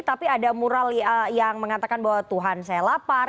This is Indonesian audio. tapi ada mural yang mengatakan bahwa tuhan saya lapar